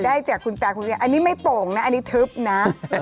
ได้จากคุณตาคุณยายอันนี้ไม่โป่งนะอันนี้ทึบนะ